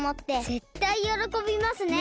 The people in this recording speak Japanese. ぜったいよろこびますね。